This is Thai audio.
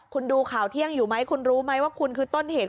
คุณดูข่าวเที่ยงอยู่ไหมคุณรู้ไหมว่าคุณคือต้นเหตุ